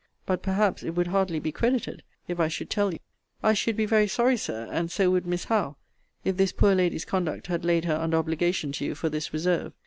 But, perhaps, it would hardly be credited, if I should tell you. I should be very sorry, Sir, and so would Miss Howe, if this poor lady's conduct had laid her under obligation to you for this reserve.